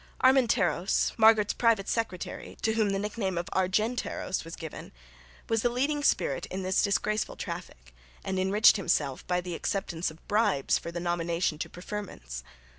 Armenteros, Margaret's private secretary (to whom the nickname of Argenteros was given), was the leading spirit in this disgraceful traffic, and enriched himself by the acceptance of bribes for the nomination to preferments.